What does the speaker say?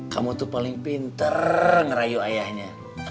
kamu tuh paling pinter ngerayu ayahnya